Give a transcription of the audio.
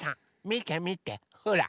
みてみてほら。